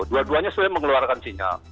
dua duanya sebenarnya mengeluarkan sinyal